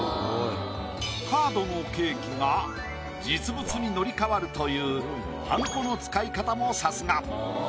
カードのケーキが実物に乗りかわるというはんこの使い方もさすが。